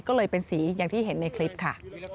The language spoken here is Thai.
ก็เลยเป็นสีอย่างที่เห็นในคลิปค่ะ